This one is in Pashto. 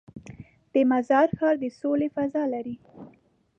د مزار ښار د سولې فضا لري.